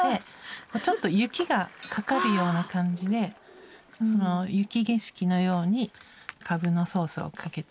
ちょっと雪がかかるような感じでその雪景色のようにかぶのソースをかけた。